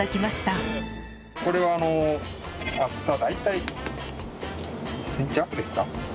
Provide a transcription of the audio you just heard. これは厚さ大体１センチ弱ですか。